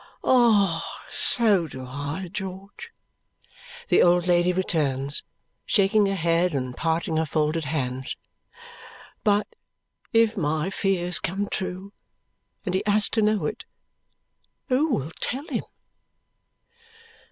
"Ah, so do I, George," the old lady returns, shaking her head and parting her folded hands. "But if my fears come true, and he has to know it, who will tell him!"